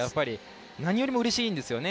何よりもうれしいんですよね。